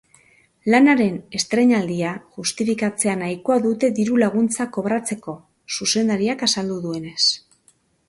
Lanaren estreinaldia justikatzea nahikoa dute diru-laguntzak kobratzeko, zuzendariak azaldu duenez.